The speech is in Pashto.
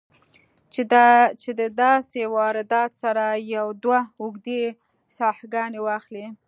چې د داسې واردات سره يو دوه اوږدې ساهګانې واخلې